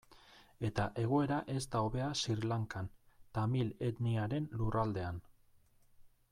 Eta egoera ez da hobea Sri Lankan, tamil etniaren lurraldean.